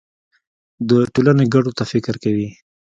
د ټولنې ګټو ته فکر کوي.